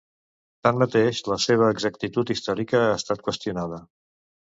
Tanmateix, la seva exactitud històrica ha estat qüestionada.